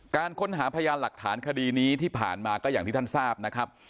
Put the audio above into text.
การค้นหาพยานหลักฐานคดีนี้ที่ผ่านมาก็อย่างที่ท่านทราบนะครับ